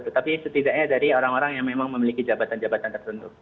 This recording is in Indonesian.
tetapi setidaknya dari orang orang yang memang memiliki jabatan jabatan tertentu